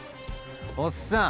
おっさん